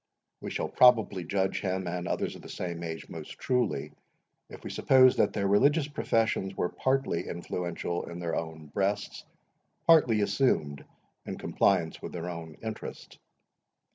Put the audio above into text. We shall probably judge him, and others of the same age, most truly, if we suppose that their religious professions were partly influential in their own breasts, partly assumed in compliance with their own interest.